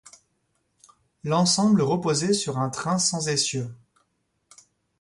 L’ensemble reposait sur un train sans essieu.